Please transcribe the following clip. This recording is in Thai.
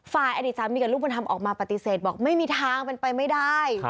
อดีตสามีกับลูกบุญธรรมออกมาปฏิเสธบอกไม่มีทางเป็นไปไม่ได้